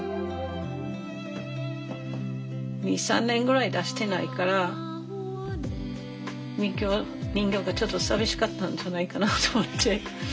２３年ぐらい出してないから人形がちょっと寂しかったんじゃないかなと思って。